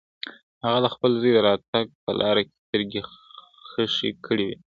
هغه د خپل زوی د راتګ په لاره کې سترګې خښې کړې وې.